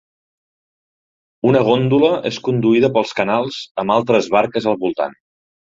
Una góndola és conduïda pels canals amb altres barques al voltant.